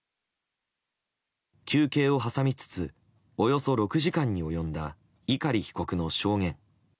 休憩を挟みつつ、およそ６時間に及んだ碇被告の証言。